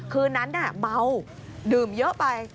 คืนนั้นเบาดื่มเยอะไป